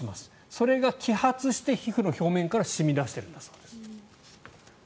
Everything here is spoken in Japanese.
それが揮発して皮膚の表面から染み出しています。